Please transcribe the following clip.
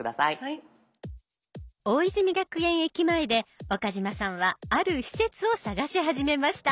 大泉学園駅前で岡嶋さんはある施設を探し始めました。